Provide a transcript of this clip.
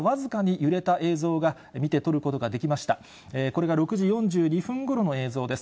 これが６時４２分ごろの映像です。